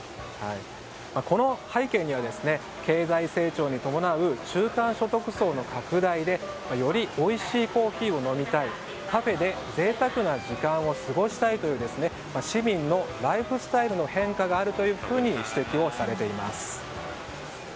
この背景には経済成長に伴う中間所得層の拡大でよりおいしいコーヒーを飲みたいカフェで贅沢な時間を過ごしたいという市民のライフスタイルの変化があると指摘されています。